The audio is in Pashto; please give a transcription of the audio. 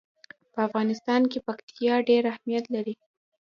په افغانستان کې پکتیا ډېر اهمیت لري.